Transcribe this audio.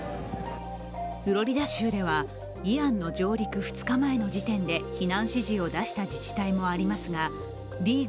フロリダ州ではイアンの上陸２日前の時点で避難指示を出した自治体もありますがリー